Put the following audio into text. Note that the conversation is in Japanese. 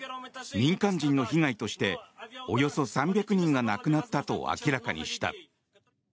民間人の被害としておよそ３００人が亡くなったと明らかにした。